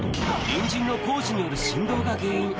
隣人の工事による振動が原因。